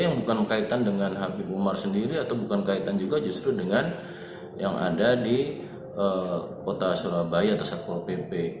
yang bukan kaitan dengan habib umar sendiri atau bukan kaitan juga justru dengan yang ada di kota surabaya atau satpol pp